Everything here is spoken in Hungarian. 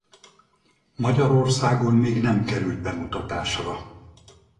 Magyarországon még nem került bemutatásra.